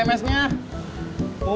mumpung si tindik man